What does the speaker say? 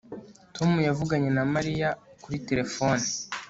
Tom yavuganye na Mariya kuri terefone